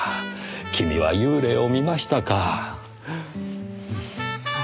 君は幽霊を見ましたか。